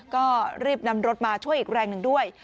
ก็รีบนำรถมาช่วยอีกแรงหนึ่งด้วย